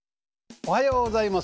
おはようございます。